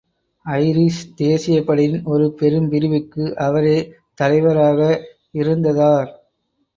Irish தேசியப்படையின் ஒரு பெரும் பிரிவுக்கு அவரே தலைவராக இருந்ததார்.